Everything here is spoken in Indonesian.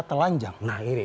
telanjang nah ini